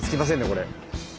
これ。